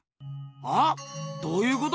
は？どういうこと？